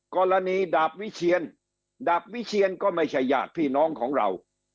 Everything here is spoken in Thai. ดาบวิเชียนดาบวิเชียนก็ไม่ใช่ญาติพี่น้องของเรา